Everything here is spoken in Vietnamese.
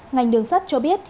ngành đường sắt cho biết